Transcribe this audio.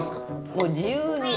もう自由に。